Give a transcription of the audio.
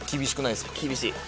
厳しい。